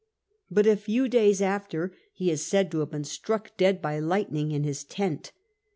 But a few days after he is said to have been struck dead by lightning in his tent.